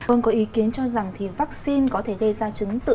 vâng có ý kiến cho rằng thì vắc xin có thể gây ra chứng tự